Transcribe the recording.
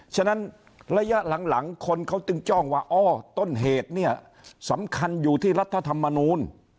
ฉะนั้นระยะหลังคนเขาจึงจ้องว่าอ้อต้นเหตุเนี่ยสำคัญอยู่ที่รัฐธรรมนูล